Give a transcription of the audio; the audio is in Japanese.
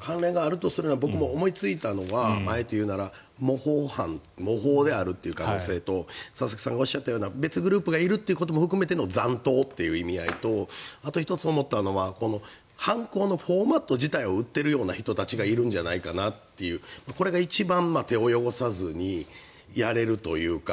関連があるとすれば僕、思いついたのは模倣であるという可能性と佐々木さんがおっしゃったような別なグループがいるということも含めての残党という意味合いとあと１つ思ったのは犯行のフォーマット自体を売っているような人たちがいるんじゃないかなというこれが一番手を汚さずにやれるというか